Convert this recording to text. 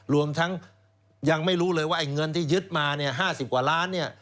รวมทั้งยังไม่รู้เลยว่าไอ้เงินที่ยึดมาเนี่ย๕๐กว่าล้านเนี่ย